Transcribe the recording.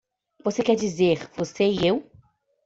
Você quer dizer que você e eu?